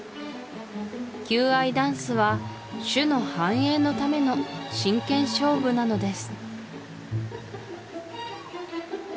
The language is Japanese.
求愛ダンスは種の繁栄のための真剣勝負なのです